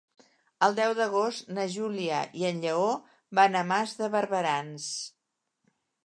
El deu d'agost na Júlia i en Lleó van a Mas de Barberans.